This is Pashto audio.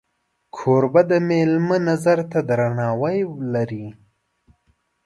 کوربه د میلمه نظر ته درناوی لري.